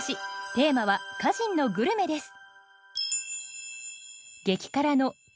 テーマは「歌人のグルメ」です